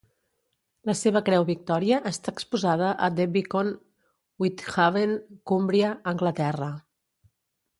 La seva Creu Victòria està exposada a The Beacon, Whitehaven, Cumbria, Anglaterra.